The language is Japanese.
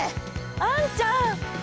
あんちゃん！